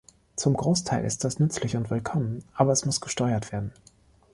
Zum Großteil ist das nützlich und willkommen, aber es muss gesteuert werden.